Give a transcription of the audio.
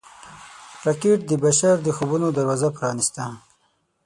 راکټ د بشر د خوبونو دروازه پرانیسته